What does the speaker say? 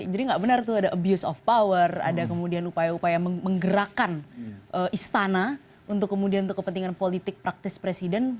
jadi nggak benar tuh ada abuse of power ada kemudian upaya upaya menggerakkan istana untuk kepentingan politik praktis presiden